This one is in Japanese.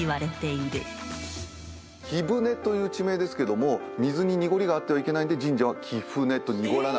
貴船という地名ですけども水に濁りがあってはいけないんで神社は「きふね」と濁らない。